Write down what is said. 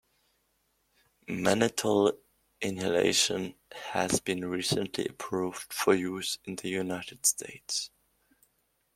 Mannitol inhalation has been recently approved for use in the United States.